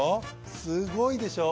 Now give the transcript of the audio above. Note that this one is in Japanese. すごいでしょ。